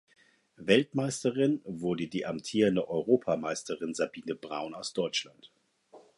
Weltmeisterin wurde die amtierende Europameisterin Sabine Braun aus Deutschland.